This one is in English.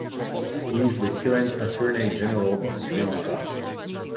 He is the current Attorney General of Sri Lanka.